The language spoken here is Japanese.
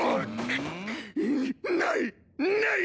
ない！ない！